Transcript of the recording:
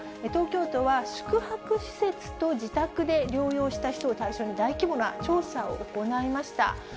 東京都は、宿泊施設と自宅で療養した人を対象に、大規模な調査を行いました。